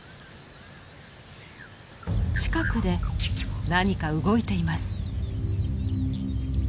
近くで何か動いています。